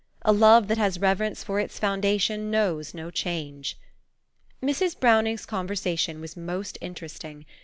A love that has reverence for its foundation knows no change. "Mrs. Browning's conversation was most interesting.